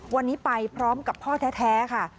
วันนี้ไปพร้อมกับพ่อแท้ค่ะ